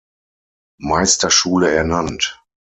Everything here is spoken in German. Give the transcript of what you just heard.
Meisterschule ernannt.